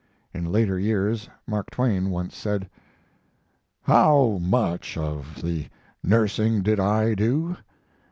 In later years Mark Twain once said: "How much of the nursing did I do?